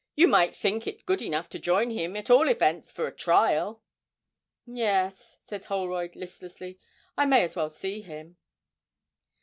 You might think it good enough to join him, at all events for a trial.' 'Yes,' said Holroyd, listlessly, 'I may as well see him.'